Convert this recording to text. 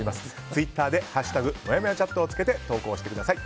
ツイッターで「＃もやもやチャット」をつけて投稿してください。